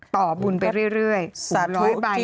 ต่อบุญไปเรื่อยหลายใบนะ